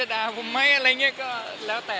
ต่อไปแถว๒๔